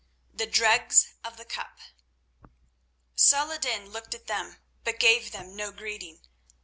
The Dregs of the Cup Saladin looked at them, but gave them no greeting.